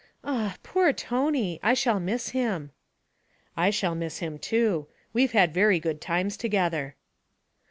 'Ah; poor Tony! I shall miss him.' 'I shall miss him too; we've had very good times together.'